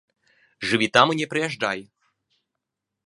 Жыві там і не прыязджай.